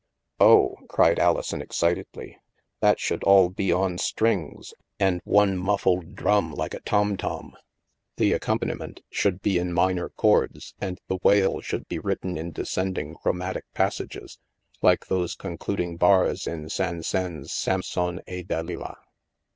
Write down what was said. '' Oh," cried Alison excitedly, " that should all be on strings and one muffled drum like a tom tom. 254 THE MASK The accompaniment should be in minor chords, and the wail should be written in descending chromatic passages, like those concluding bars in Saint Saens' * Samson et Delila.'